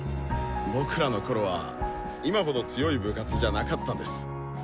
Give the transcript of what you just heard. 僕らのころは今ほど強い部活じゃなかったんです。